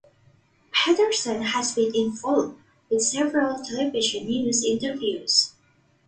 Peterson has been involved with several television news interviews.